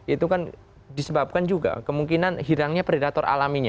itu kan disebabkan juga kemungkinan hilangnya predator alaminya